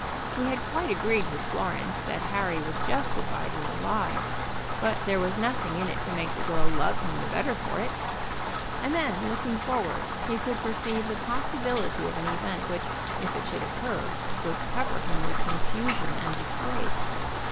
He had quite agreed with Florence that Harry was justified in the lie; but there was nothing in it to make the girl love him the better for it. And then, looking forward, he could perceive the possibility of an event which, if it should occur, would cover him with confusion and disgrace.